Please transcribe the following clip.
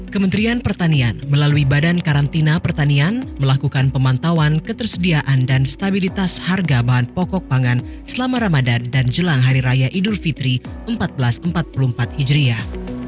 kementerian pertanian melalui badan karantina pertanian melakukan pemantauan ketersediaan dan stabilitas harga bahan pokok pangan selama ramadan dan jelang hari raya idul fitri seribu empat ratus empat puluh empat hijriah